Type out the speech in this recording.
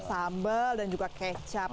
sambal dan juga kecap